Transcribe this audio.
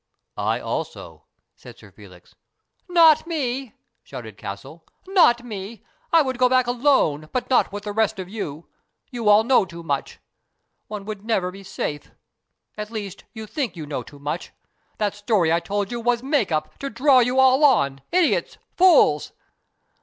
" I also," said Sir Felix. " Not me," shouted Castle. " Not me. I would go back alone, but not with the rest of you. You all know too much. One would never be safe. At least, you think you know too much. That story I told you was make up, to draw you all on. Idiots ! Fools